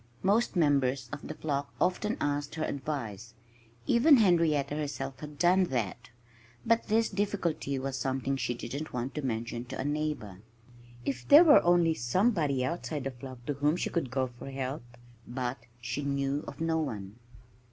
Most members of the flock often asked her advice. Even Henrietta herself had done that. But this difficulty was something she didn't want to mention to a neighbor. If there were only somebody outside the flock to whom she could go for help! But she knew of no one.